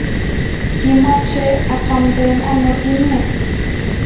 Kimache achamnden ano inye